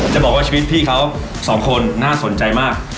จะบอกว่าชีวิตพี่เขาสองคนน่าสนใจมาก